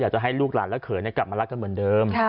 จะให้ลูกหลานและเขยกลับมารักกันเหมือนเดิม